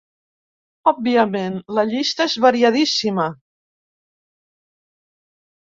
Òbviament, la llista és variadíssima.